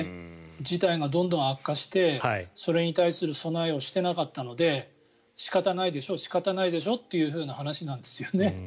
事態がどんどん悪化してそれに対する備えをしてなかったので仕方ないでしょ仕方ないでしょという話なんですよね。